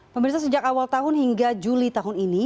pemerintah sejak awal tahun hingga juli tahun ini